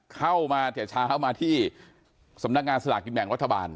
เข้ามาเฉยมาที่สำนักงานศาลกิจแหน่งรัฐบาล